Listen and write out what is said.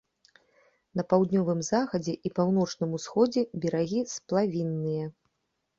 На паўднёвым захадзе і паўночным усходзе берагі сплавінныя.